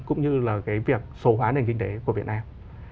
cũng như là cái việc số hóa nền kinh tế của việt nam